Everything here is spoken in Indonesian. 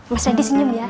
mas randy senyum ya